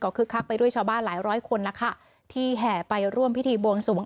คึกคักไปด้วยชาวบ้านหลายร้อยคนแล้วค่ะที่แห่ไปร่วมพิธีบวงสวง